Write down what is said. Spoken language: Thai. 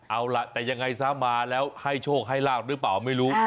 เอาล่ะแต่ยังไงซะมาแล้วให้โชคให้ลาบหรือเปล่าไม่รู้